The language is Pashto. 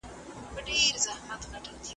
ډیر خلک په دې جګړو کي ووژل شول.